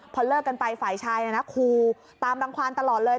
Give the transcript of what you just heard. พอเลิกกันไปฝ่ายชายคูตามรังความตลอดเลย